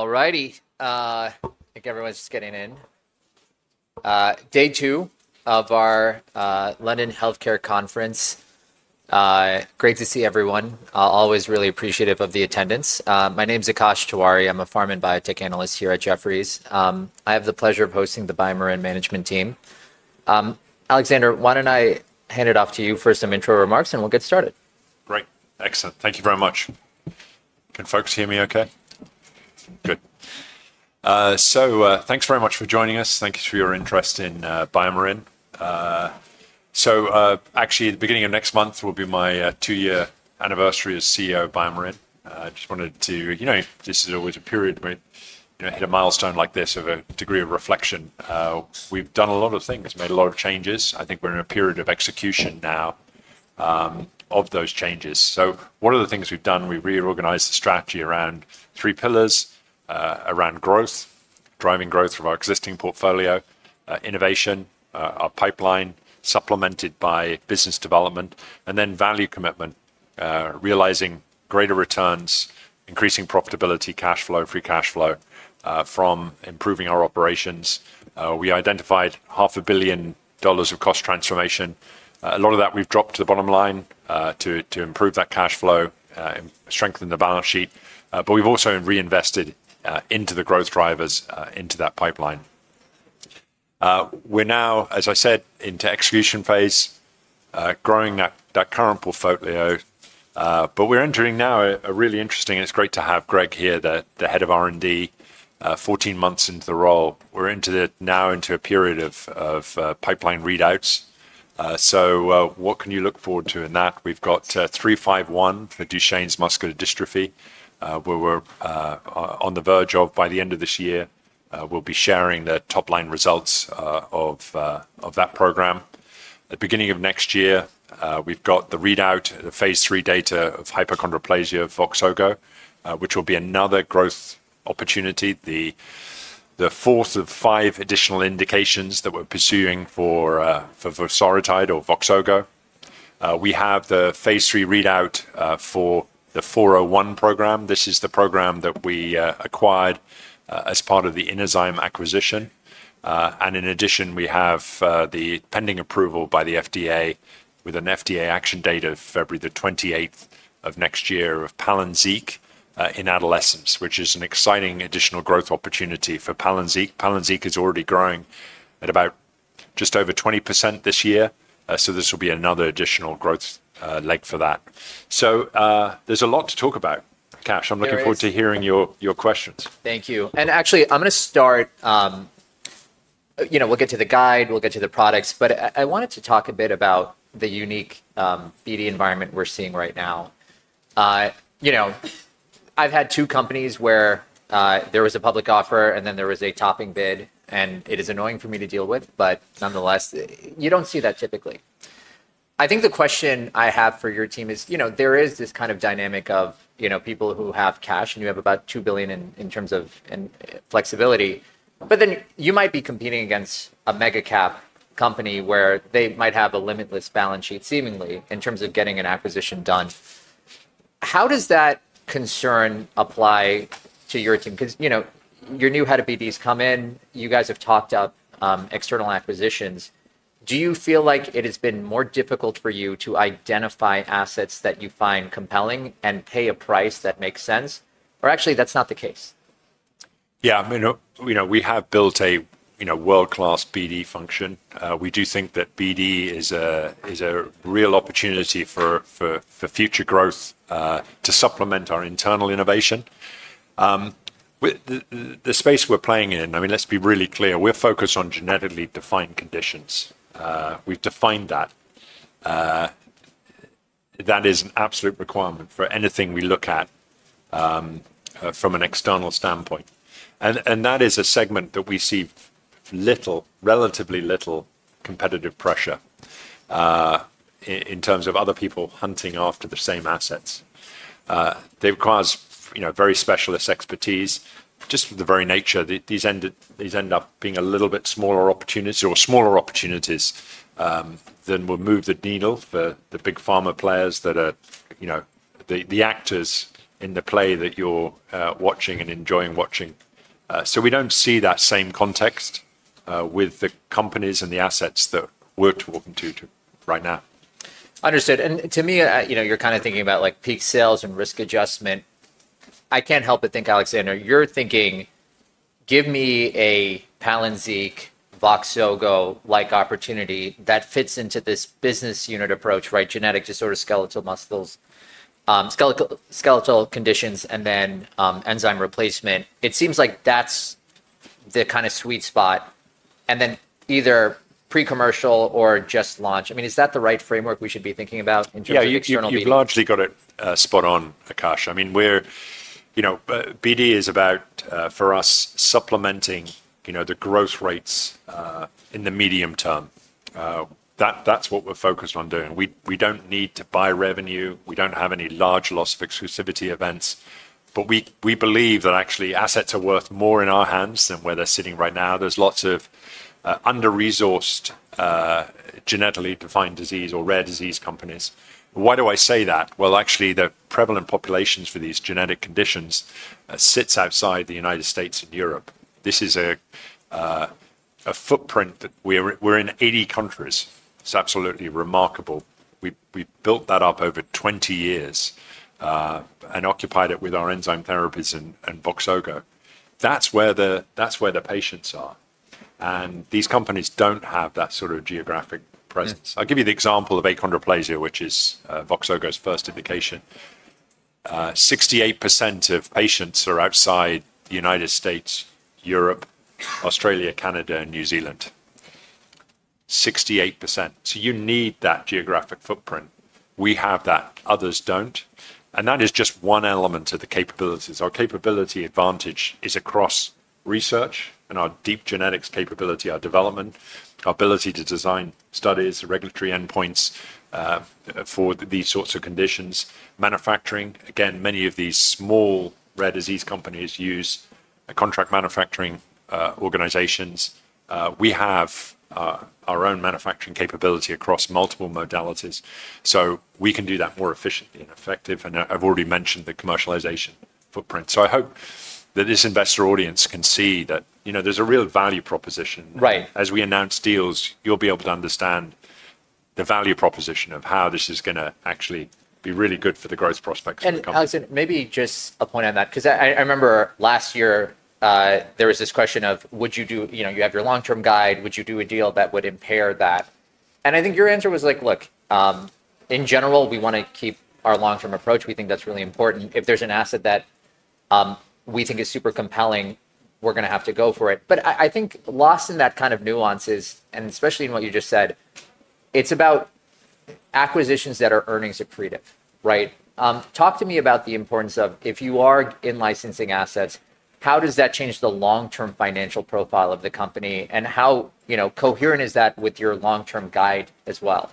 Alrighty, I think everyone's just getting in. Day two of our London Healthcare Conference. Great to see everyone. Always really appreciative of the attendance. My name's Akash Tiwari. I'm a pharma and biotech analyst here at Jefferies. I have the pleasure of hosting the BioMarin Management Team. Alexander, why don't I hand it off to you for some intro remarks, and we'll get started. Great. Excellent. Thank you very much. Can folks hear me okay? Good. Thanks very much for joining us. Thank you for your interest in BioMarin. Actually, at the beginning of next month will be my two-year anniversary as CEO of BioMarin. I just wanted to, you know, this is always a period where you hit a milestone like this of a degree of reflection. We've done a lot of things, made a lot of changes. I think we're in a period of execution now of those changes. One of the things we've done, we reorganized the strategy around three pillars, around growth, driving growth from our existing portfolio, innovation, our pipeline, supplemented by business development, and then value commitment, realizing greater returns, increasing profitability, cash flow, free cash flow from improving our operations. We identified $500 million of cost transformation. A lot of that we've dropped to the bottom line to improve that cash flow, strengthen the balance sheet. We've also reinvested into the growth drivers, into that pipeline. We're now, as I said, into execution phase, growing that current portfolio. We're entering now a really interesting, and it's great to have Greg here, the Head of R&D, 14 months into the role. We're now into a period of pipeline readouts. What can you look forward to in that? We've got BMN 351 for Duchenne muscular dystrophy, where we're on the verge of, by the end of this year, we'll be sharing the top-line results of that program. At the beginning of next year, we've got the readout, the phase III data of hypochondroplasia of Voxogo, which will be another growth opportunity, the fourth of five additional indications that we're pursuing for vosoritide or Voxogo. We have the phase three readout for the 4.0.1 program. This is the program that we acquired as part of the INNERZYM acquisition. In addition, we have the pending approval by the FDA with an FDA action date of February 28 of next year of Palynziq in adolescents, which is an exciting additional growth opportunity for Palynziq. Palynziq is already growing at just over 20% this year. This will be another additional growth leg for that. There is a lot to talk about, Akash. I'm looking forward to hearing your questions. Thank you. Actually, I'm going to start, you know, we'll get to the guide, we'll get to the products, but I wanted to talk a bit about the unique BD environment we're seeing right now. You know, I've had two companies where there was a public offer and then there was a topping bid, and it is annoying for me to deal with, but nonetheless, you don't see that typically. I think the question I have for your team is, you know, there is this kind of dynamic of, you know, people who have cash and you have about $2 billion in terms of flexibility, but then you might be competing against a mega-cap company where they might have a limitless balance sheet, seemingly, in terms of getting an acquisition done. How does that concern apply to your team? Because, you know, you're new, how do BDs come in? You guys have talked up external acquisitions. Do you feel like it has been more difficult for you to identify assets that you find compelling and pay a price that makes sense? Or actually, that's not the case. Yeah, you know, we have built a world-class BD function. We do think that BD is a real opportunity for future growth to supplement our internal innovation. The space we're playing in, I mean, let's be really clear, we're focused on genetically defined conditions. We've defined that. That is an absolute requirement for anything we look at from an external standpoint. That is a segment that we see little, relatively little competitive pressure in terms of other people hunting after the same assets. They require very specialist expertise, just for the very nature that these end up being a little bit smaller opportunities or smaller opportunities than will move the needle for the big pharma players that are, you know, the actors in the play that you're watching and enjoying watching. We do not see that same context with the companies and the assets that we are talking to right now. Understood. And to me, you know, you're kind of thinking about like peak sales and risk adjustment. I can't help but think, Alexander, you're thinking, give me a Palynziq Voxogo-like opportunity that fits into this business unit approach, right? Genetic to sort of skeletal muscles, skeletal conditions, and then enzyme replacement. It seems like that's the kind of sweet spot. And then either pre-commercial or just launch. I mean, is that the right framework we should be thinking about in terms of external BD? Yeah, you've largely got it spot on, Akash. I mean, we're, you know, BD is about, for us, supplementing, you know, the growth rates in the medium term. That's what we're focused on doing. We don't need to buy revenue. We don't have any large loss of exclusivity events. We believe that actually assets are worth more in our hands than where they're sitting right now. There's lots of under-resourced genetically defined disease or rare disease companies. Why do I say that? Actually, the prevalent populations for these genetic conditions sit outside the U.S. and Europe. This is a footprint that we're in 80 countries. It's absolutely remarkable. We built that up over 20 years and occupied it with our enzyme therapies and Voxogo. That's where the patients are. These companies don't have that sort of geographic presence. I'll give you the example of achondroplasia, which is Voxogo's first indication. 68% of patients are outside the U.S., Europe, Australia, Canada, and New Zealand. 68%. You need that geographic footprint. We have that. Others do not. That is just one element of the capabilities. Our capability advantage is across research and our deep genetics capability, our development, our ability to design studies, regulatory endpoints for these sorts of conditions. Manufacturing, again, many of these small rare disease companies use contract manufacturing organizations. We have our own manufacturing capability across multiple modalities. We can do that more efficiently and effectively. I've already mentioned the commercialization footprint. I hope that this investor audience can see that, you know, there's a real value proposition. Right. As we announce deals, you'll be able to understand the value proposition of how this is going to actually be really good for the growth prospects for the company. Alexander, maybe just a point on that, because I remember last year there was this question of, would you do, you know, you have your long-term guide, would you do a deal that would impair that? I think your answer was like, look, in general, we want to keep our long-term approach. We think that's really important. If there's an asset that we think is super compelling, we're going to have to go for it. I think lost in that kind of nuances, and especially in what you just said, it's about acquisitions that are earnings accretive, right? Talk to me about the importance of, if you are in licensing assets, how does that change the long-term financial profile of the company? How, you know, coherent is that with your long-term guide as well?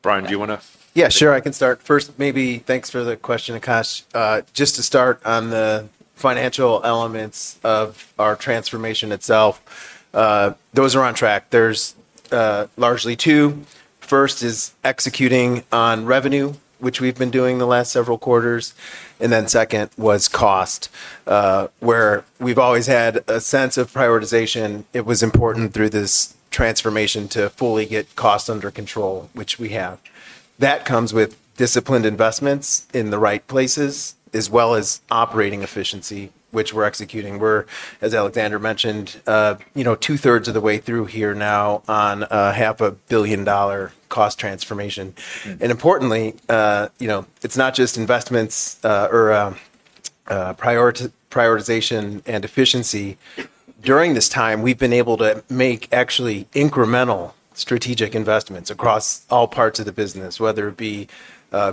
Brian, do you want to? Yeah, sure, I can start. First, maybe thanks for the question, Akash. Just to start on the financial elements of our transformation itself, those are on track. There's largely two. First is executing on revenue, which we've been doing the last several quarters. Then second was cost, where we've always had a sense of prioritization. It was important through this transformation to fully get cost under control, which we have. That comes with disciplined investments in the right places, as well as operating efficiency, which we're executing. We're, as Alexander mentioned, you know, two-thirds of the way through here now on a $500 million cost transformation. Importantly, you know, it's not just investments or prioritization and efficiency. During this time, we've been able to make actually incremental strategic investments across all parts of the business, whether it be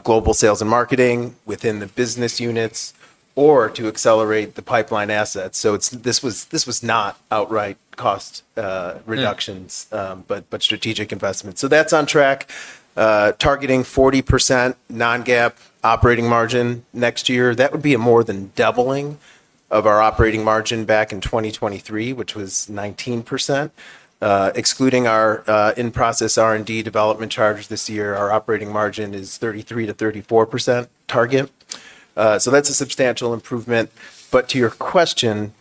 global sales and marketing within the business units or to accelerate the pipeline assets. This was not outright cost reductions, but strategic investments. That is on track. Targeting 40% non-GAAP operating margin next year. That would be a more than doubling of our operating margin back in 2023, which was 19%. Excluding our in-process R&D development charges this year, our operating margin is 33-34% target. That is a substantial improvement. To your question,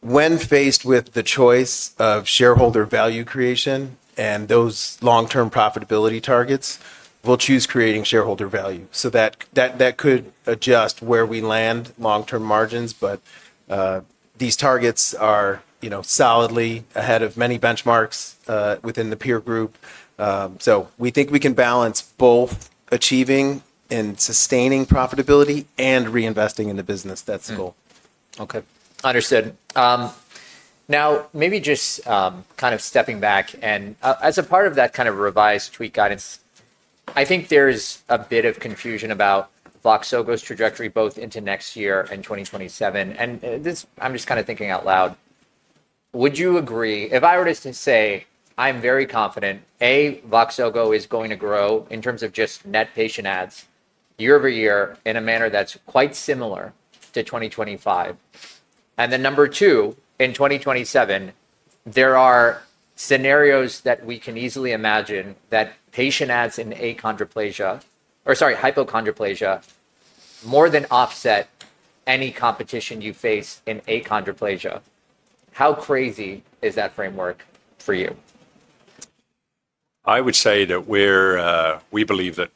when faced with the choice of shareholder value creation and those long-term profitability targets, we will choose creating shareholder value. That could adjust where we land long-term margins, but these targets are, you know, solidly ahead of many benchmarks within the peer group. We think we can balance both achieving and sustaining profitability and reinvesting in the business. That's the goal. Okay. Understood. Now, maybe just kind of stepping back, and as a part of that kind of revised tweak guidance, I think there's a bit of confusion about Voxogo's trajectory both into next year and 2027. I'm just kind of thinking out loud. Would you agree if I were to say, I'm very confident, A, Voxogo is going to grow in terms of just net patient ads year over year in a manner that's quite similar to 2025. Number two, in 2027, there are scenarios that we can easily imagine that patient ads in achondroplasia, or sorry, hypochondroplasia, more than offset any competition you face in achondroplasia. How crazy is that framework for you? I would say that we believe that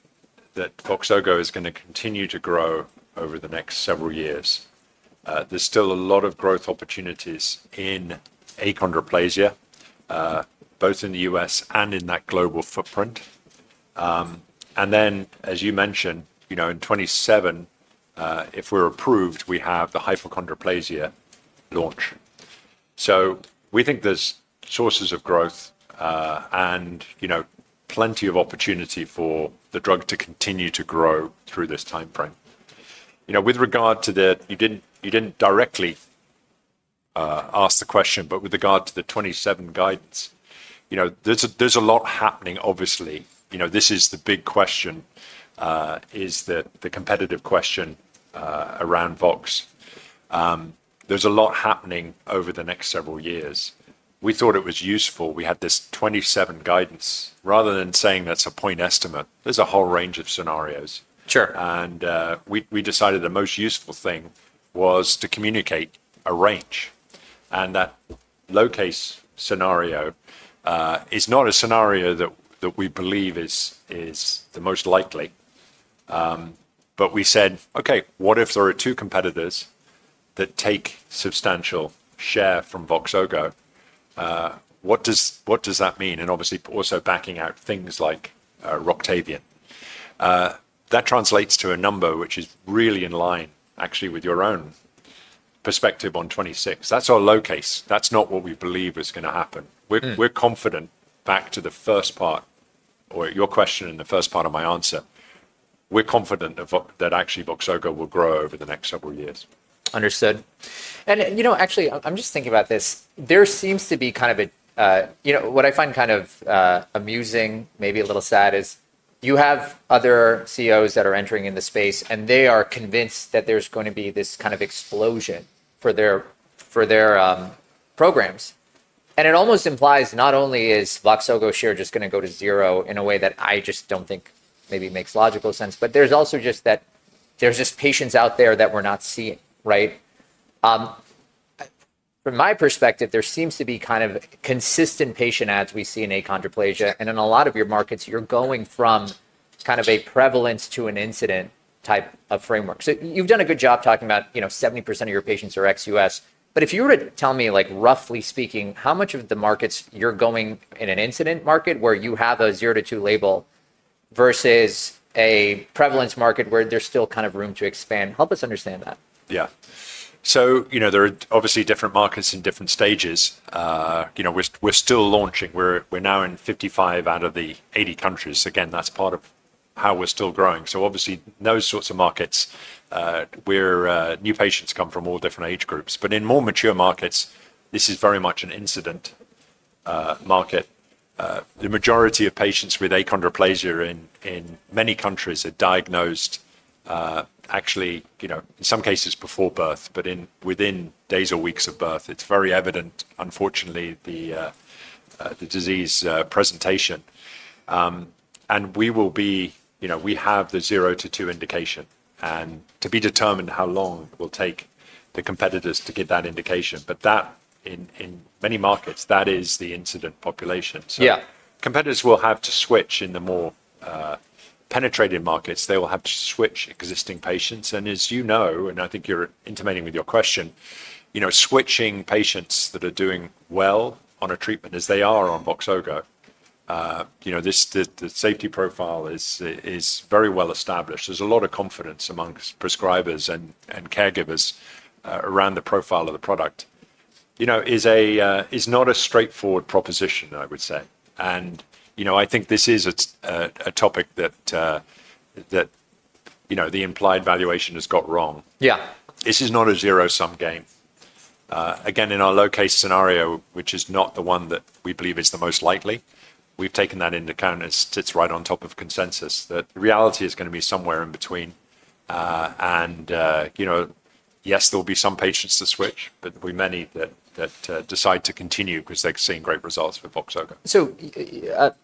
Voxogo is going to continue to grow over the next several years. There's still a lot of growth opportunities in achondroplasia, both in the U.S. and in that global footprint. And then, as you mentioned, you know, in 2027, if we're approved, we have the hypochondroplasia launch. So we think there's sources of growth and, you know, plenty of opportunity for the drug to continue to grow through this timeframe. You know, with regard to the, you didn't directly ask the question, but with regard to the 2027 guidance, you know, there's a lot happening, obviously. You know, this is the big question, is the competitive question around Vox. There's a lot happening over the next several years. We thought it was useful. We had this 2027 guidance. Rather than saying that's a point estimate, there's a whole range of scenarios. Sure. We decided the most useful thing was to communicate a range. That low-case scenario is not a scenario that we believe is the most likely. We said, okay, what if there are two competitors that take substantial share from Voxogo? What does that mean? Obviously, also backing out things like Roctavian. That translates to a number which is really in line, actually, with your own perspective on 2026. That is our low case. That is not what we believe is going to happen. We are confident, back to the first part, or your question in the first part of my answer, we are confident that actually Voxogo will grow over the next several years. Understood. You know, actually, I'm just thinking about this. There seems to be kind of a, you know, what I find kind of amusing, maybe a little sad, is you have other CEOs that are entering in the space, and they are convinced that there's going to be this kind of explosion for their programs. It almost implies not only is Voxogo's share just going to go to zero in a way that I just don't think maybe makes logical sense, but there's also just that there's just patients out there that we're not seeing, right? From my perspective, there seems to be kind of consistent patient ads we see in achondroplasia. In a lot of your markets, you're going from kind of a prevalence to an incident type of framework. You've done a good job talking about, you know, 70% of your patients are XU.S.. If you were to tell me, like roughly speaking, how much of the markets you're going in an incident market where you have a zero to two label versus a prevalence market where there's still kind of room to expand? Help us understand that. Yeah. So, you know, there are obviously different markets in different stages. You know, we're still launching. We're now in 55 out of the 80 countries. Again, that's part of how we're still growing. Obviously, those sorts of markets, new patients come from all different age groups. In more mature markets, this is very much an incident market. The majority of patients with achondroplasia in many countries are diagnosed, actually, you know, in some cases before birth, but within days or weeks of birth, it's very evident, unfortunately, the disease presentation. We will be, you know, we have the zero to two indication. To be determined how long it will take the competitors to get that indication. In many markets, that is the incident population. Yeah. Competitors will have to switch in the more penetrating markets. They will have to switch existing patients. And as you know, and I think you're intimating with your question, you know, switching patients that are doing well on a treatment as they are on Voxogo, you know, the safety profile is very well established. There's a lot of confidence amongst prescribers and caregivers around the profile of the product. You know, is not a straightforward proposition, I would say. And, you know, I think this is a topic that, you know, the implied valuation has got wrong. Yeah. This is not a zero-sum game. Again, in our low-case scenario, which is not the one that we believe is the most likely, we've taken that into account as it sits right on top of consensus that reality is going to be somewhere in between. And, you know, yes, there will be some patients to switch, but there will be many that decide to continue because they've seen great results with Voxogo.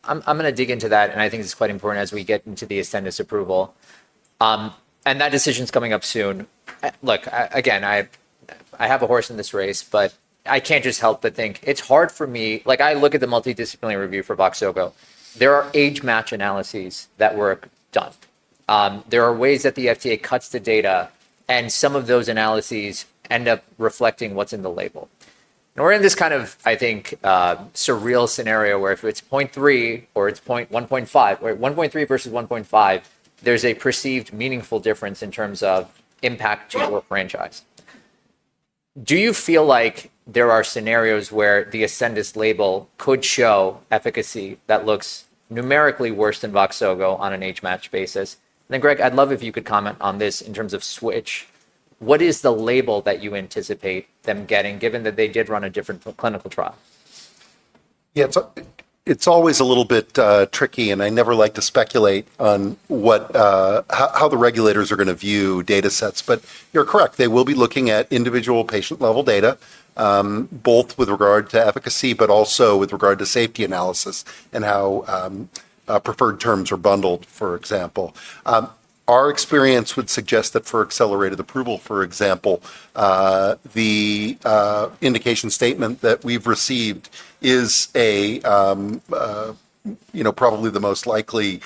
I'm going to dig into that. I think it's quite important as we get into the extended approval. That decision's coming up soon. Look, again, I have a horse in this race, but I can't just help but think it's hard for me. Like, I look at the multidisciplinary review for Voxogo. There are age-match analyses that were done. There are ways that the FDA cuts the data. Some of those analyses end up reflecting what's in the label. We're in this kind of, I think, surreal scenario where if it's 0.3 or it's 0.1, 0.5, 1.3 versus 1.5, there's a perceived meaningful difference in terms of impact to your franchise. Do you feel like there are scenarios where the ascendist label could show efficacy that looks numerically worse than Voxogo on an age-match basis? Greg, I'd love if you could comment on this in terms of switch. What is the label that you anticipate them getting, given that they did run a different clinical trial? Yeah, it's always a little bit tricky. I never like to speculate on how the regulators are going to view data sets. You're correct. They will be looking at individual patient-level data, both with regard to efficacy, but also with regard to safety analysis and how preferred terms are bundled, for example. Our experience would suggest that for accelerated approval, for example, the indication statement that we've received is a, you know, probably the most likely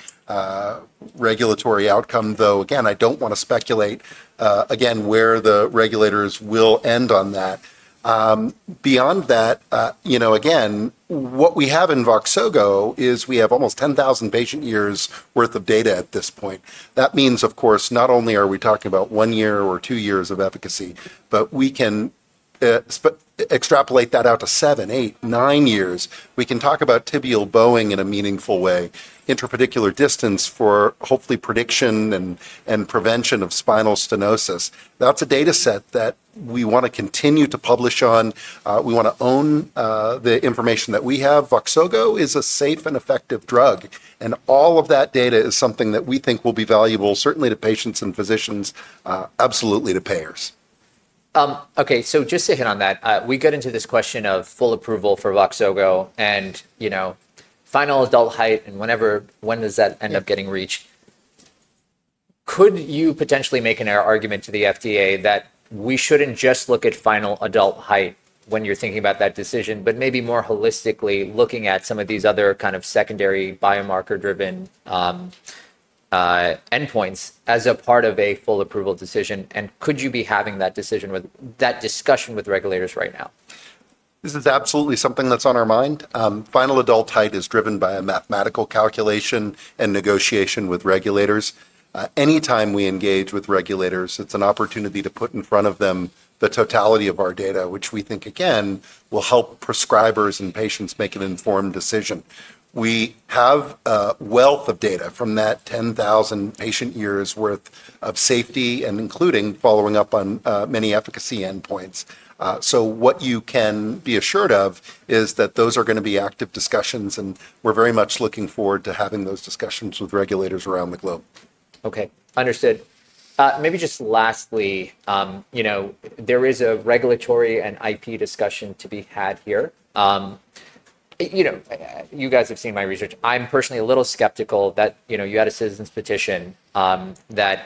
regulatory outcome, though, again, I don't want to speculate, again, where the regulators will end on that. Beyond that, you know, what we have in Voxogo is we have almost 10,000 patient years' worth of data at this point. That means, of course, not only are we talking about one year or two years of efficacy, but we can extrapolate that out to seven, eight, nine years. We can talk about tibial bowing in a meaningful way, intrapedicular distance for hopefully prediction and prevention of spinal stenosis. That is a data set that we want to continue to publish on. We want to own the information that we have. Voxogo is a safe and effective drug. All of that data is something that we think will be valuable, certainly to patients and physicians, absolutely to payers. Okay, so just to hit on that, we get into this question of full approval for Voxogo and, you know, final adult height and whenever when does that end up getting reached? Could you potentially make an argument to the FDA that we shouldn't just look at final adult height when you're thinking about that decision, but maybe more holistically looking at some of these other kind of secondary biomarker-driven endpoints as a part of a full approval decision? Could you be having that discussion with regulators right now? This is absolutely something that's on our mind. Final adult height is driven by a mathematical calculation and negotiation with regulators. Anytime we engage with regulators, it's an opportunity to put in front of them the totality of our data, which we think, again, will help prescribers and patients make an informed decision. We have a wealth of data from that 10,000 patient years' worth of safety and including following up on many efficacy endpoints. You can be assured that those are going to be active discussions. We are very much looking forward to having those discussions with regulators around the globe. Okay, understood. Maybe just lastly, you know, there is a regulatory and IP discussion to be had here. You know, you guys have seen my research. I'm personally a little skeptical that, you know, you had a citizen's petition that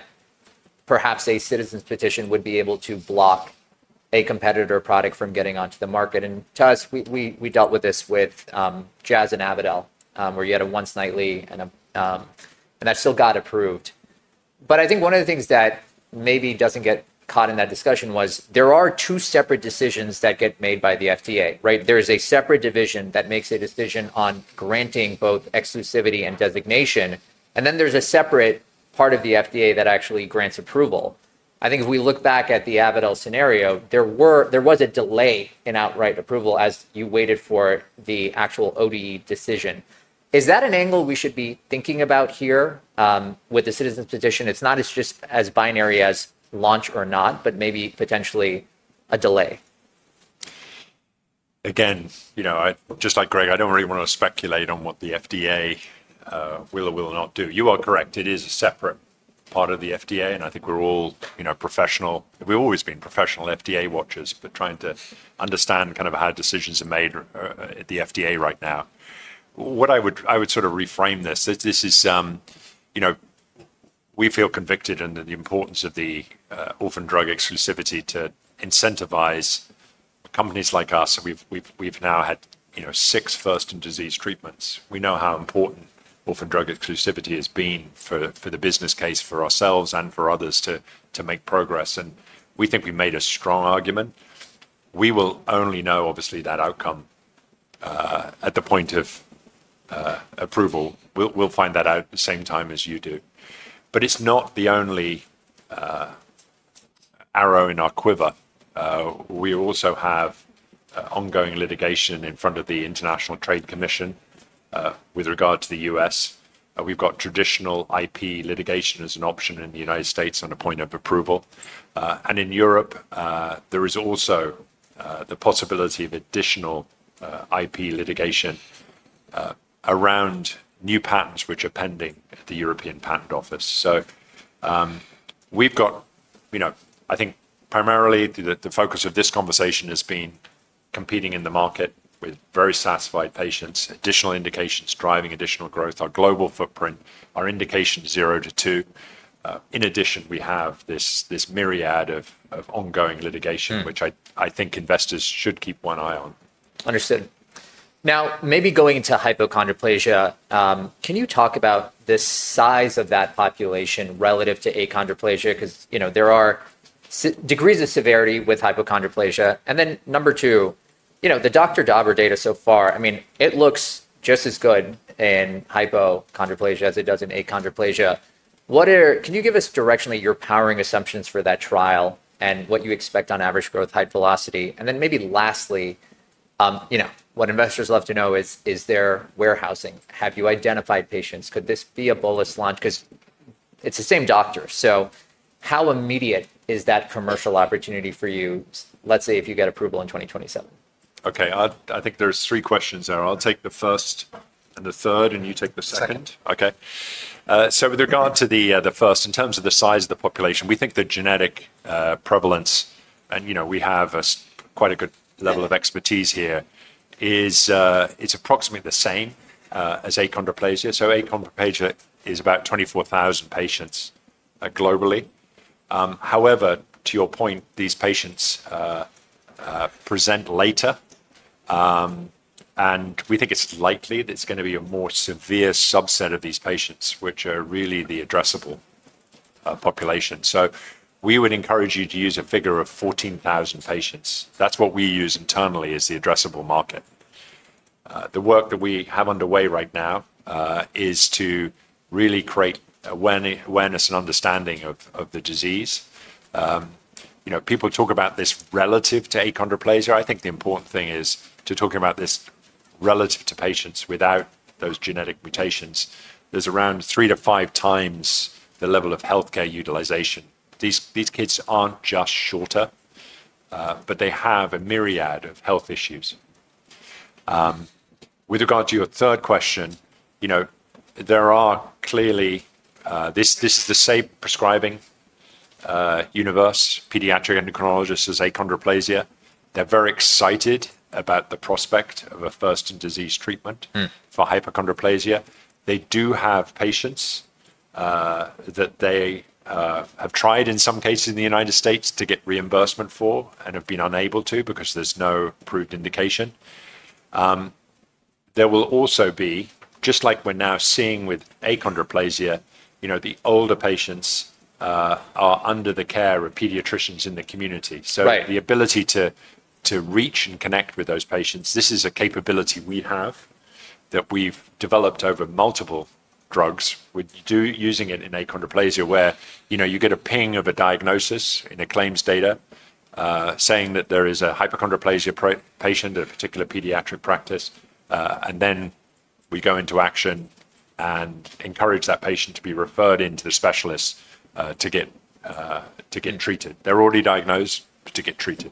perhaps a citizen's petition would be able to block a competitor product from getting onto the market. To us, we dealt with this with Jazz and Abidel, where you had a once nightly, and that still got approved. I think one of the things that maybe doesn't get caught in that discussion was there are two separate decisions that get made by the FDA, right? There is a separate division that makes a decision on granting both exclusivity and designation. Then there's a separate part of the FDA that actually grants approval. I think if we look back at the Abidel scenario, there was a delay in outright approval as you waited for the actual ODE decision. Is that an angle we should be thinking about here with the citizen's petition? It's not just as binary as launch or not, but maybe potentially a delay. Again, you know, just like Greg, I don't really want to speculate on what the FDA will or will not do. You are correct. It is a separate part of the FDA. I think we're all, you know, professional. We've always been professional FDA watchers, but trying to understand kind of how decisions are made at the FDA right now. What I would sort of reframe this, this is, you know, we feel convicted under the importance of the orphan drug exclusivity to incentivize companies like us. We've now had, you know, six first-in-disease treatments. We know how important orphan drug exclusivity has been for the business case for ourselves and for others to make progress. We think we made a strong argument. We will only know, obviously, that outcome at the point of approval. We'll find that out at the same time as you do. It's not the only arrow in our quiver. We also have ongoing litigation in front of the International Trade Commission with regard to the U.S. We've got traditional IP litigation as an option in the United States on a point of approval. In Europe, there is also the possibility of additional IP litigation around new patents which are pending at the European Patent Office. We've got, you know, I think primarily the focus of this conversation has been competing in the market with very satisfied patients, additional indications driving additional growth, our global footprint, our indication zero to two. In addition, we have this myriad of ongoing litigation, which I think investors should keep one eye on. Understood. Now, maybe going into hypochondroplasia, can you talk about the size of that population relative to achondroplasia? Because, you know, there are degrees of severity with hypochondroplasia. And then number two, you know, the Dr. Daber data so far, I mean, it looks just as good in hypochondroplasia as it does in achondroplasia. What are, can you give us directionally your powering assumptions for that trial and what you expect on average growth height velocity? And then maybe lastly, you know, what investors love to know is, is there warehousing? Have you identified patients? Could this be a bolus launch? Because it's the same doctor. So how immediate is that commercial opportunity for you, let's say if you get approval in 2027? Okay, I think there's three questions there. I'll take the first and the third, and you take the second. Okay. With regard to the first, in terms of the size of the population, we think the genetic prevalence, and, you know, we have quite a good level of expertise here, is approximately the same as achondroplasia. Achondroplasia is about 24,000 patients globally. However, to your point, these patients present later. We think it's likely that it's going to be a more severe subset of these patients, which are really the addressable population. We would encourage you to use a figure of 14,000 patients. That's what we use internally as the addressable market. The work that we have underway right now is to really create awareness and understanding of the disease. You know, people talk about this relative to achondroplasia. I think the important thing is to talk about this relative to patients without those genetic mutations. There's around three to five times the level of healthcare utilization. These kids aren't just shorter, but they have a myriad of health issues. With regard to your third question, you know, there are clearly, this is the same prescribing universe. Pediatric endocrinologists are achondroplasia. They're very excited about the prospect of a first-in-disease treatment for hypochondroplasia. They do have patients that they have tried in some cases in the United States to get reimbursement for and have been unable to because there's no approved indication. There will also be, just like we're now seeing with achondroplasia, you know, the older patients are under the care of pediatricians in the community. The ability to reach and connect with those patients, this is a capability we have that we've developed over multiple drugs using it in achondroplasia where, you know, you get a ping of a diagnosis in a claims data saying that there is a hypochondroplasia patient at a particular pediatric practice. And then we go into action and encourage that patient to be referred into the specialists to get treated. They're already diagnosed to get treated.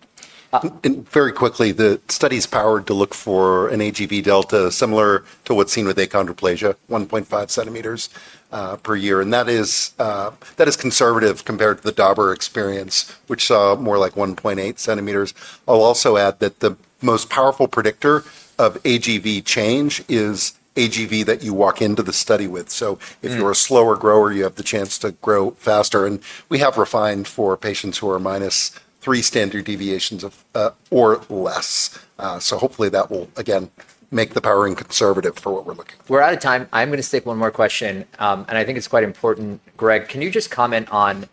Very quickly, the study's powered to look for an AGV delta similar to what's seen with achondroplasia, 1.5 centimeters per year. That is conservative compared to the Daber experience, which saw more like 1.8 centimeters. I'll also add that the most powerful predictor of AGV change is AGV that you walk into the study with. If you're a slower grower, you have the chance to grow faster. We have refined for patients who are minus three standard deviations or less. Hopefully that will, again, make the powering conservative for what we're looking for. We're out of time. I'm going to stick one more question. I think it's quite important, Greg, can you just comment on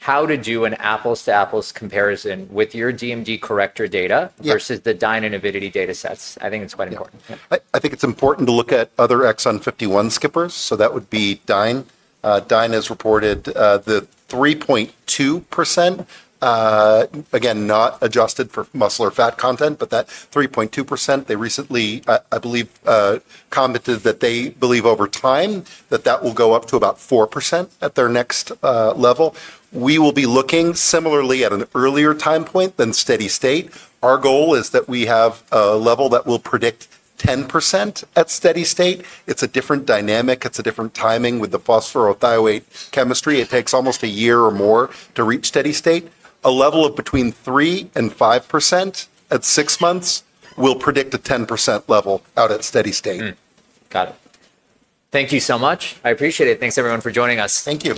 how to do an apples-to-apples comparison with your DMD corrector data versus the Dyne and Avidity data sets? I think it's quite important. I think it's important to look at other exon 51 skippers. So that would be Dyne. Dyne has reported the 3.2%, again, not adjusted for muscle or fat content, but that 3.2%, they recently, I believe, commented that they believe over time that that will go up to about 4% at their next level. We will be looking similarly at an earlier time point than steady state. Our goal is that we have a level that will predict 10% at steady state. It's a different dynamic. It's a different timing with the phosphorothioate chemistry. It takes almost a year or more to reach steady state. A level of between 3% and 5% at six months will predict a 10% level out at steady state. Got it. Thank you so much. I appreciate it. Thanks, everyone, for joining us. Thank you.